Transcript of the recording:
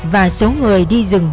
và số người đi rừng